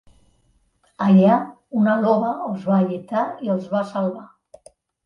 Allà una lloba els va alletar i els va salvar.